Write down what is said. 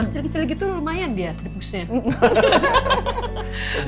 kecil kecilnya gitu lumayan dia di busnya